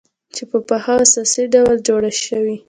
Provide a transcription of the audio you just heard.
چې په پاخه او اساسي ډول جوړه شوې،